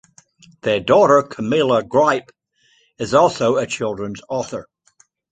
Their daughter Camilla Gripe is also a children's author.